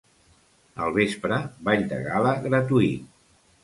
Al vespre, ball de gala gratuït.